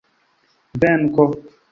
venko